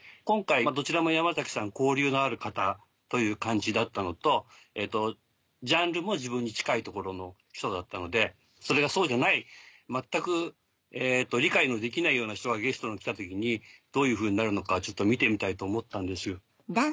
今回どちらも山崎さん交流がある方という感じだったのとジャンルも自分に近いところの人だったのでそれがそうじゃない全く理解のできないような人がゲストに来た時にどういうふうになるのかちょっと見てみたいと思ったんですよ。